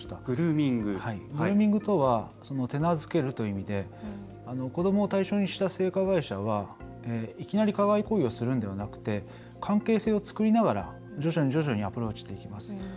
グルーミングとは手なづけるという意味で子どもを対象にした性加害者はいきなり加害行為をするのではなくて関係性を作りながら徐々にアプローチしていきます。